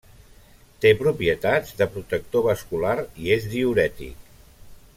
Té propietats de protector vascular i és diürètic.